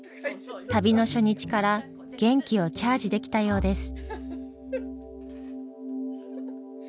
旅の初日から元気をチャージできたようです。